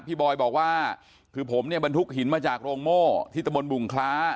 บอยบอกว่าคือผมเนี่ยบรรทุกหินมาจากโรงโม่ที่ตะบนบุงคล้า